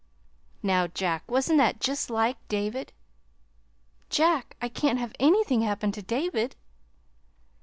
Now, Jack, wasn't that just like David? Jack, I can't have anything happen to David!"